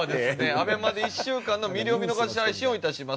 ＡＢＥＭＡで１週間の無料見逃し配信を致します。